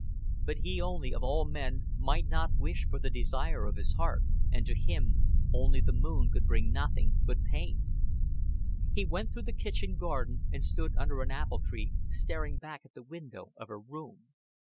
But he only of all men might not wish for the desire of his heart, and to him only the moon could bring nothing but pain. He went through the kitchen garden, and stood under an apple tree staring back at the window of her room.